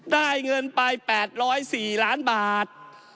ได้เงินไป๘๐๔ล้านบาท